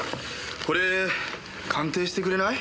これ鑑定してくれない？